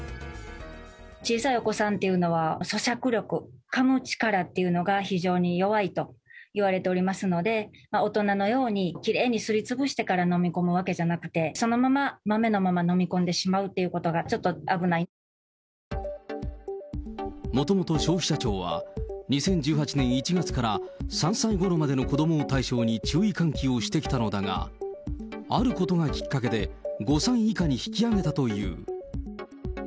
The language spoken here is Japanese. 小さいお子さんっていうのはそしゃく力、かむ力というのが非常に弱いといわれておりますので、大人のようにきれいにすりつぶしてから飲み込むわけじゃなくて、そのまま豆のまま飲み込んでしまうっていうことが、ちょっと危なもともと消費者庁は、２０１８年１月から３歳ごろまでの子どもを対象に注意喚起をしてきたのだが、あることがきっかけで、５歳以下に引き上げたという。